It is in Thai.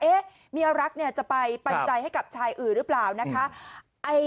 เอ๊ะเมียรักจะไปปัญญาใจให้กับชายอื่นหรือเปล่านะคะ